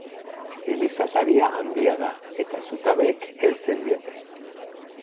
Eliz ataria handia da eta zutabeek heltzen diote.